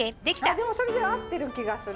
でもそれで合ってる気がする！